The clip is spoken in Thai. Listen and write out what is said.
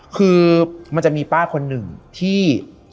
คือมันจะมีป้าคนหนึ่งที่